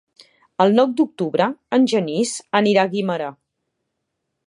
El nou d'octubre en Genís irà a Guimerà.